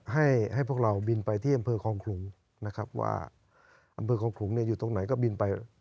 ให้ให้พวกเราบินไปที่อำเภอคลองขลุงนะครับว่าอำเภอคลองขลุงเนี่ยอยู่ตรงไหนก็บินไป